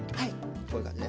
こういう感じ。